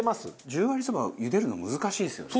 十割そばゆでるの難しいですよね。